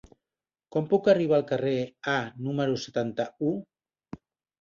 Com puc arribar al carrer A número setanta-u?